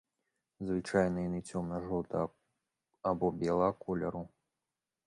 Звычайна яны цёмна-жоўтага або белага колеру.